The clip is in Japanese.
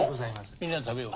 みんなで食べよう。